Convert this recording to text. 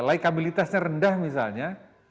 likabilitasnya rendah misalnya